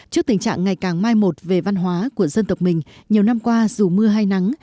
trước tình trạng ngày càng mai một về văn hóa của dân tộc mình nhiều năm qua dù mưa hay nắng